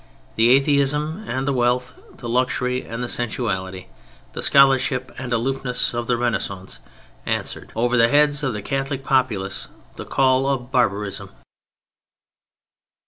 The atheism and the wealth, the luxury and the sensuality, the scholarship and aloofness of the Renaissance answered, over the heads of the Catholic populace, the call of barbarism.